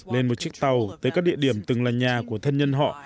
lên một chiếc tàu tới các địa điểm từng là nhà của thân nhân họ